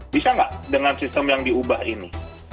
bisa nggak dengan sistem yang diubah ini